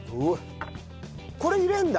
これ入れるんだ？